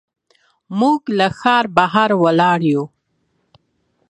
موږ له ښار بهر ولاړ یو.